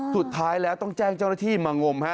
สุดท้ายแล้วต้องแจ้งเจ้าหน้าที่มางมฮะ